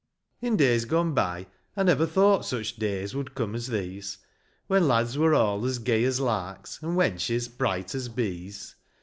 In days gone by I never thought Such days would come as these, When lads were all as gay as larks, And wenches bright as bees.